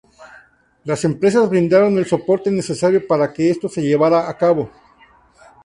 Las empresas brindaron el soporte necesario para que esto se llevara a cabo.